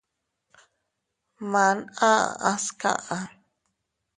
Man a aʼas kaʼa.